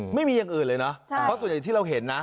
ไม่มีอย่างอื่นเลยเนอะเพราะส่วนใหญ่ที่เราเห็นนะ